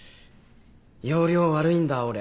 要領悪いんだ俺。